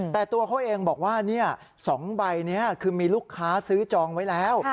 แต่ตัวเขาเองบอกว่า๒ใบนี้คือมีลูกค้าซื้อจองไว้แล้ว